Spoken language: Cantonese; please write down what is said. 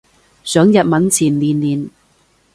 上日文前練練